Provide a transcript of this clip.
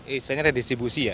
istilahnya redistribusi ya